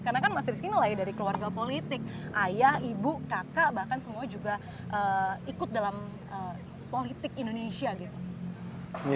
karena kan mas risky nilai dari keluarga politik ayah ibu kakak bahkan semua juga ikut dalam politik indonesia gitu